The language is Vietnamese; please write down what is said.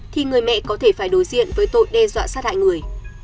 thì người mẹ có thể phải đối diện với tội đe dọa sát hại người